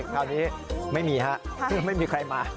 คราวนี้ไม่มีฮะไม่มีใครมา